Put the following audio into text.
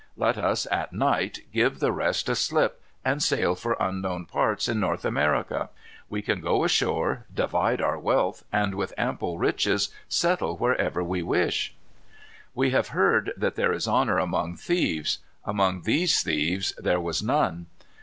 Let us, at night, give the rest a slip, and sail for unknown parts in North America. We can go ashore, divide our wealth, and with ample riches settle wherever we please." We have heard that there is honor among thieves. Among these thieves there was none.